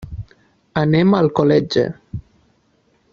Anem a Alcoletge.